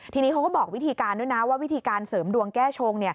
ทีนี้เขาก็บอกวิธีการด้วยนะว่าวิธีการเสริมดวงแก้ชง